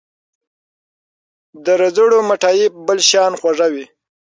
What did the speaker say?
د رځړو مټايي بل شان خوږه وي